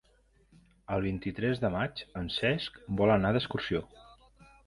El vint-i-tres de maig en Cesc vol anar d'excursió.